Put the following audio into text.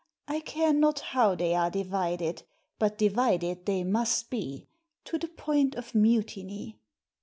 I care not how they are divided. But divided they must be; to the point of mutiny.